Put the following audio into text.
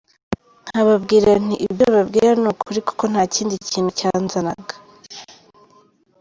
Nkababwira nti ibyo mbabwira ni ukuri kuko nta kindi kintu cyanzanaga.